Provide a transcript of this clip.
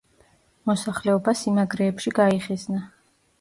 მოსახლეობა სიმაგრეებში გაიხიზნა.